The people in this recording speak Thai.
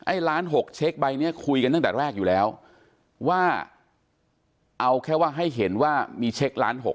ล้านหกเช็คใบเนี้ยคุยกันตั้งแต่แรกอยู่แล้วว่าเอาแค่ว่าให้เห็นว่ามีเช็คล้านหก